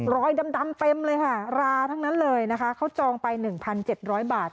รอยดำเต็มเลยค่ะราทั้งนั้นเลยนะคะเขาจองไป๑๗๐๐บาท